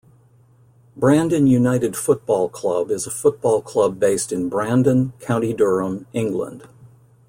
Brandon United Football Club is a football club based in Brandon, County Durham, England.